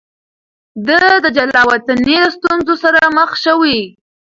ده د جلاوطنۍ له ستونزو سره مخ شوی.